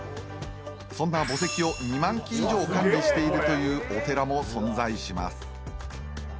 そんな墓石を２万基以上管理しているというお寺も存在します。